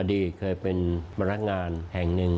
อดีตเคยเป็นพนักงานแห่งหนึ่ง